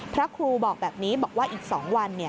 พระครูบอกแบบนี้บอกว่าอีก๒วัน